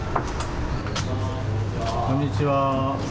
こんにちは。